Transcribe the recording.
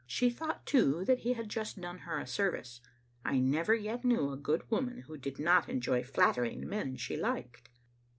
She thought, too, that he had just done her a service. I never yet knew a good woman who did not enjoy flatter ing men she liked.